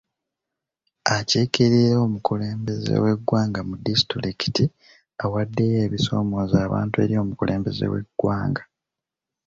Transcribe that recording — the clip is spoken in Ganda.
Akikirira omukulembeze w'eggwanga mu disitulikiti awaddeyo ebisoomoza abantu eri omukulembeze w'eggwanga.